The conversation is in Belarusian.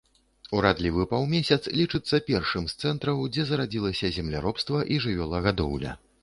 Урадлівы паўмесяц лічыцца першым з цэнтраў, дзе зарадзілася земляробства і жывёлагадоўля.